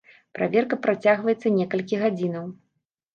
Праверка працягваецца некалькі гадзінаў.